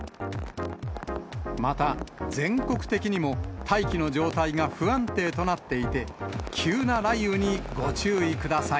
また、全国的にも、大気の状態が不安定となっていて、急な雷雨にご注意ください。